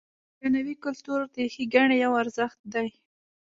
د درناوي کلتور د ښېګڼې یو ارزښت دی.